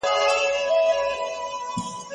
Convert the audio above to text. ولې د ديت لپاره انسان ټاکل حرام دي؟